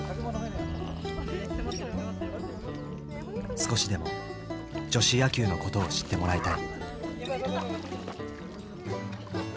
少しでも女子野球のことを知ってもらいたい。